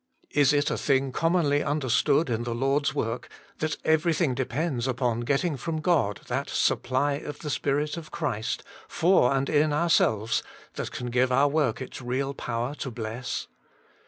Is it a thing commonly under stood in the Lord s work, that everything depends upon getting from God that " supply of the Spirit 166 THE MINISTRY OF INTERCESSION of Christ " for and in ourselves that can give our work its real power to bless.